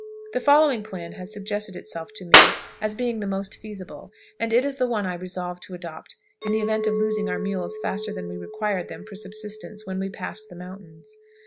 The following plan has suggested itself to me as being the most feasible, and it is the one I resolved to adopt in the event of losing our mules faster than we required them for subsistence when we passed the Mountains.